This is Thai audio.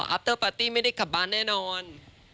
อัปเตอร์ปาร์ตี้ไม่ได้กลับบ้านแน่นอน